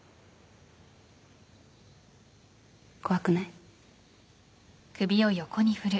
怖くない？